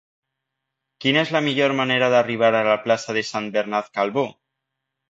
Quina és la millor manera d'arribar a la plaça de Sant Bernat Calbó?